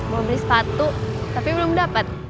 mau beli sepatu tapi belum dapat